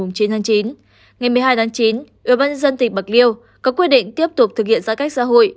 ngày một mươi hai chín ủy ban dân tỉnh bạc liêu có quyết định tiếp tục thực hiện giãn cách xã hội